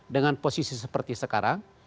dengan posisi seperti sekarang